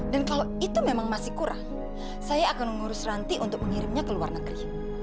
dan kalau itu memang masih kurang saya akan mengurus ranti untuk mengirimnya ke luar negeri